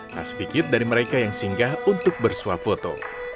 tak sedikit dari mereka yang singgah untuk bersuap foto